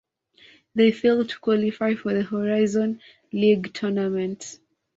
They failed to qualify for the Horizon League Tournament.